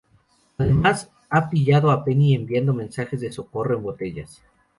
Además, ha pillado a Penny enviando mensajes de socorro en botellas.